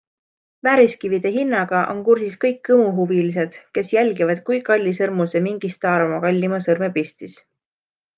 Vääriskivide hinnaga on kursis kõik kõmuhuvilised, kes jälgivad, kui kalli sõrmuse mingi staar oma kallima sõrme pistis.